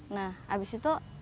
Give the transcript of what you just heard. nah abis itu